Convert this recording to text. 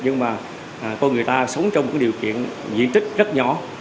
nhưng mà con người ta sống trong một điều kiện diện tích rất nhỏ